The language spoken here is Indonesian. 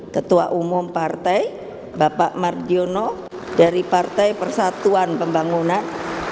ketua umum partai bapak mardiono dari partai persatuan pembangunan